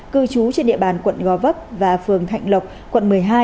cư trú trên địa bàn quận gò vấp và phường thạnh lộc quận một mươi hai